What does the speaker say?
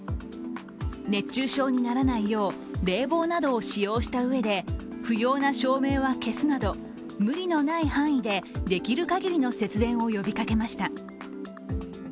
熱中症にならないよう、冷房などを使用したうえで不要な照明は消すなど無理のない範囲でできるかぎりの節電を呼びかけました。